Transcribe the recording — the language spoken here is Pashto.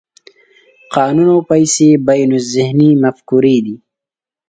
قانون او پیسې بینالذهني مفکورې دي.